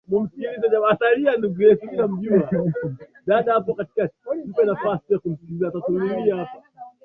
Usidanganywe na watu